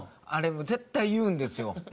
あれ絶対言うんですよ。